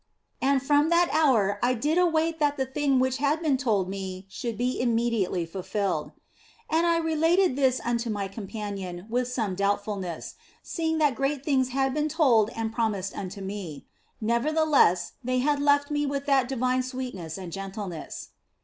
And from that hour I did await that the thing which had been told me should be immediately fulfilled. OF FOLTGNO 159 And I related this unto my companion with some doubt fulness, seeing that great things had been told and promised unto me ; nevertheless they had left me with that divine sweetness and gentleness.